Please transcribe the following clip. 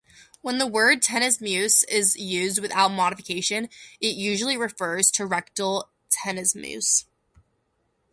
When the word tenesmus is used without modification, it usually refers to rectal tenesmus.